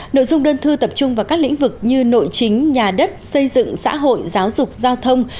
nội dung đơn thư tập trung vào các lĩnh vực như nội chính nhà đất xây dựng xã hội giáo dục giao thông